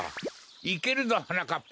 いけるぞはなかっぱ！